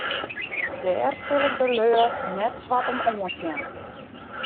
Dêr sil ik de lju net swart om oansjen.